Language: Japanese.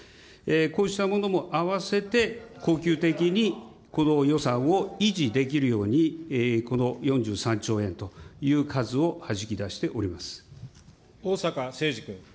こうしたものも合わせて、恒久的にこの予算を維持できるように、この４３兆円という数をはじき出逢坂誠二君。